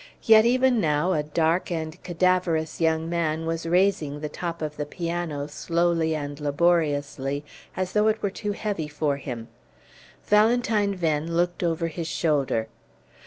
Yet even now a dark and cadaverous young man was raising the top of the piano, slowly and laboriously, as though it were too heavy for him. Valentine Venn looked over his shoulder.